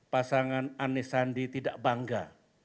pasangan anis sandi tidak bangga